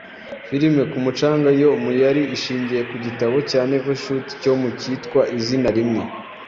Filime "Ku mucanga" yo muyari ishingiye ku gitabo cya Nevil Shute cyo mu cyitwa izina rimwe